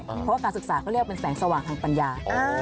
เพราะว่าการศึกษาเขาเรียกเป็นแสงสว่างทางปัญญา